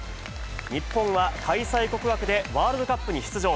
日本は開催国枠でワールドカップに出場。